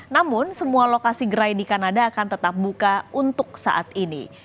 namun semua lokasi gerai di kanada akan tetap buka untuk saat ini